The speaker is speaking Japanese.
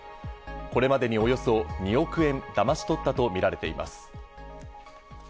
これまでにおよそ２億円だまし取ったとみられています。